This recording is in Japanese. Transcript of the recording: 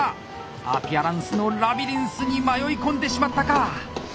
アピアランスのラビリンスに迷い込んでしまったか！